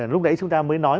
lúc nãy chúng ta mới nói